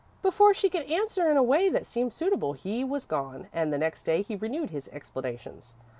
Before she could answer in a way that seemed suitable, he was gone, and the next day he renewed his explanations.